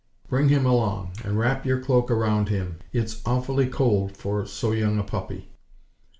_ Bring him along, and wrap your cloak around him. It's awfully cold for so young a puppy."